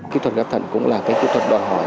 kỹ thuật ghép thận cũng là cái kỹ thuật đòi hỏi